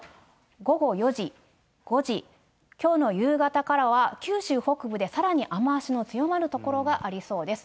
午後４時、５時、きょうの夕方からは、九州北部でさらに雨足の強まる所がありそうです。